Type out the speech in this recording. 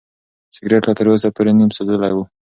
سګرټ لا تر اوسه پورې نیم سوځېدلی و.